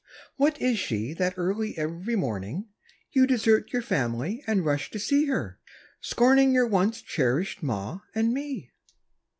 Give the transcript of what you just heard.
What is she That early every morning You desert your family And rush to see her, scorning Your once cherished ma and me?